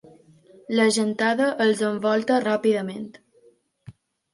La gentada els envolta ràpidament.